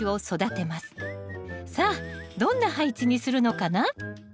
さあどんな配置にするのかな？